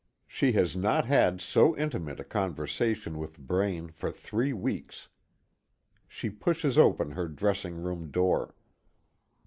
She has not had so intimate a conversation with Braine for three weeks. She pushes open her dressing room door.